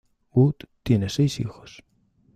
Wood tiene seis hijos.